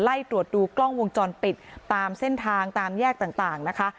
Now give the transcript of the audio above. ไล่ตรวจดูกล้องวงจรปิดตามเส้นทางตามแยกต่างนะคะ